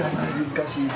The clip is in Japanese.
難しい！